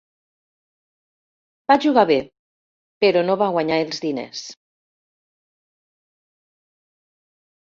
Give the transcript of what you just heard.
Va jugar bé, però no va guanyar els diners.